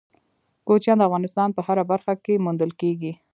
کوچیان د افغانستان په هره برخه کې موندل کېږي.